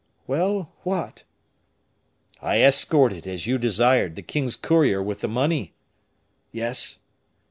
"Well! what?" "I escorted, as you desired, the king's courier with the money." "Yes."